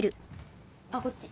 あっこっち。